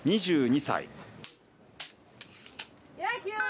２２歳。